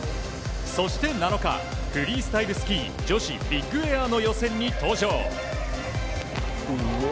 そして７日、フリースタイルスキー女子ビッグエアの予選に登場。